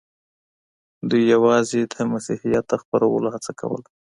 دوی یوازې د مسیحیت د خپرولو هڅه کوله.